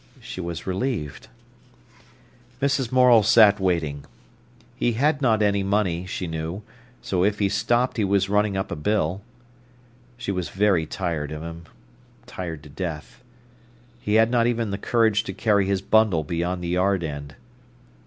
She was relieved. Mrs. Morel sat waiting. He had not any money, she knew, so if he stopped he was running up a bill. She was very tired of him—tired to death. He had not even the courage to carry his bundle beyond the yard end.